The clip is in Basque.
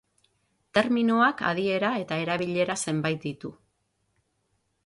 Terminoak adiera eta erabilera zenbait ditu.